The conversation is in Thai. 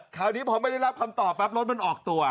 คราวนี้พอไม่ได้รับคำตอบปั๊บรถมันออกตัว